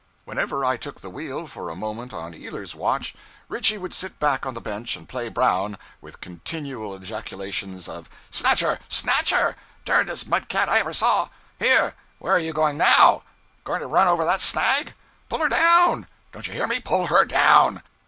Whenever I took the wheel for a moment on Ealer's watch, Ritchie would sit back on the bench and play Brown, with continual ejaculations of 'Snatch her! snatch her! Derndest mud cat I ever saw!' 'Here! Where you going now? Going to run over that snag?' 'Pull her down! Don't you hear me? Pull her _down!